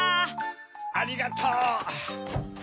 ありがとう。